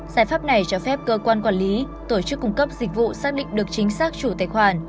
giải pháp này cho phép cơ quan quản lý tổ chức cung cấp dịch vụ xác định được chính xác chủ tài khoản